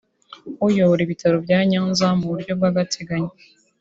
uyobora ibitaro bya Nyanza mu buryo bw’agateganyo